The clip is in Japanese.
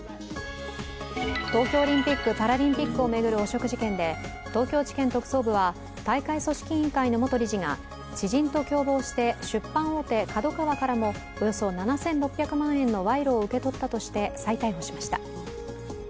東京オリンピック・パラリンピックを巡る汚職事件で東京地検特捜部は、大会組織委員会の元理事が、知人と共謀して出版大手ＫＡＤＯＫＡＷＡからもおよそ７６００万円の賄賂を受け取ったとして再逮捕しました。